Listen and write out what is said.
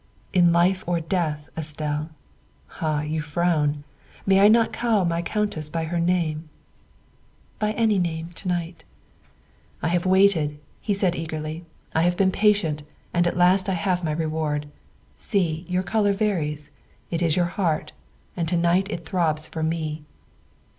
" In life or death, Estelle. Ah, you frown. May I not call my Countess by her name?" " By any name to night." THE SECRETARY OF STATE 237 " I have waited," he said eagerly, " I have been patient, and at last I have my reward. See, your color varies. It is your heart, and to night it throbs for me.